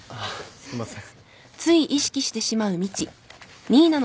すいません。